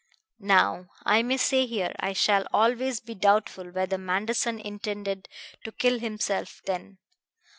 "Now I may say here I shall always be doubtful whether Manderson intended to kill himself then.